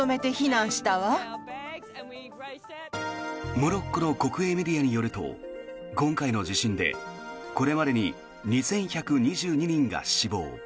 モロッコの国営メディアによると今回の地震でこれまでに２１２２人が死亡。